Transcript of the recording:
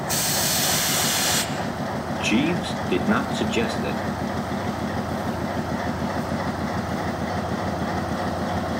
Jeeves did not suggest it.